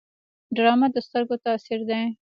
ډرامه د سترګو تاثیر دی